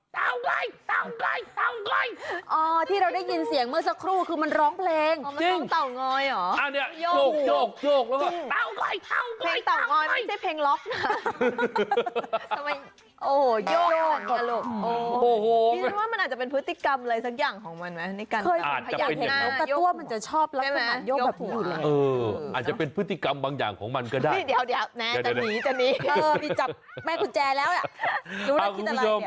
เต่าง้อยเต่าง้อยเต่าง้อย